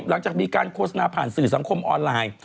หลังจากมีการโฆษณาผ่านสื่อสังคมออนไลน์